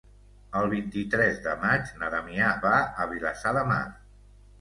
El vint-i-tres de maig na Damià va a Vilassar de Mar.